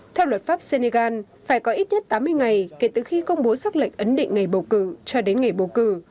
theo luật pháp senegal phải có ít nhất tám mươi ngày kể từ khi công bố xác lệnh ấn định ngày bầu cử cho đến ngày bầu cử